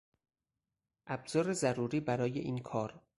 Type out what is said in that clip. ابزار ضروری برای این کار